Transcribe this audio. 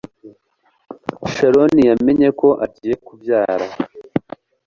Sharon yamenye ko agiye kubyara.